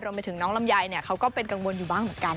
รวมไปถึงน้องลำไยเขาก็เป็นกังวลอยู่บ้างเหมือนกัน